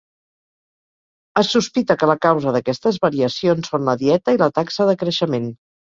Es sospita que la causa d'aquestes variacions són la dieta i la taxa de creixement.